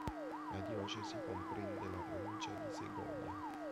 La diocesi comprende la provincia di Segovia.